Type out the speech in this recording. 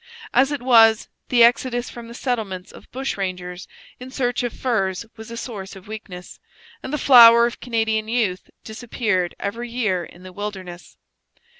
As it was, the exodus from the settlements of bushrangers in search of furs was a source of weakness, and the flower of Canadian youth disappeared every year in the wilderness.